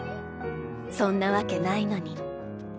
そんなわけないのに。